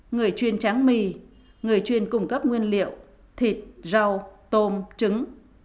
người chuyên tráng mì người chuyên cung cấp nguyên liệu thịt rau tôm trứng